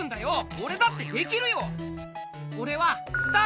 オレだってできるよ！